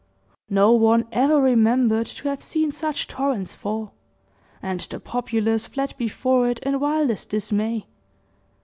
No one ever remembered to have seen such torrents fall, and the populace fled before it in wildest dismay.